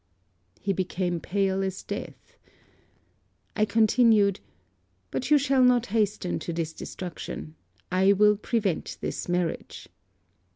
He became pale as death. I continued. 'But you shall not hasten to this destruction. I will prevent this marriage.'